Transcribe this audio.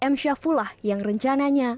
m syafullah yang rencananya